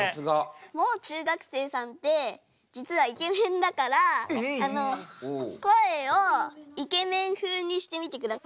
もう中学生さんって実はイケメンだから声をイケメン風にしてみてください。